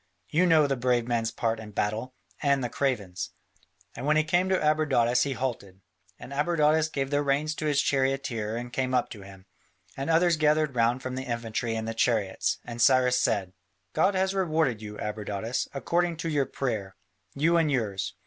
You know the brave man's part in battle, and the craven's." And when he came to Abradatas, he halted, and Abradatas gave the reins to his charioteer and came up to him, and others gathered round from the infantry and the chariots, and Cyrus said: "God has rewarded you, Abradatas, according to your prayer, you and yours.